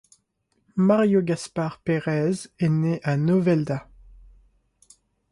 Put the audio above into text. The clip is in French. Mario Gaspar Pérez est né à Novelda.